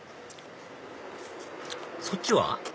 そっちは？